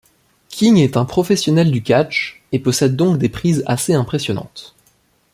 King est un professionnel du catch, et possède donc des prises assez impressionnantes.